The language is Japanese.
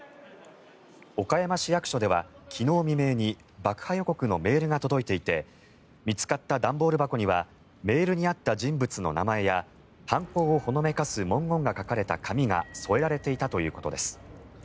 岡山市役所では昨日未明に爆破予告のメールが届いていて見つかった段ボール箱にはメールにあった人物の名前や犯行をほのめかす文言が書かれた紙が添えられていたということです。